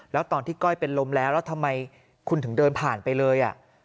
แล้วตอนที่ก้อยเป็นลมแล้วแล้วทำไมคุณถึงเดินผ่านไปเลย